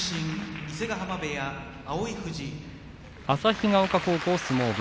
旭丘高校相撲部